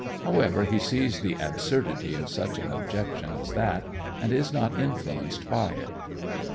However, he sees the absurdity of such an objection as that, and is not influenced by it.